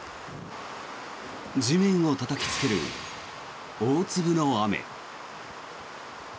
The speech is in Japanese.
地面をたたきつける大粒の雨。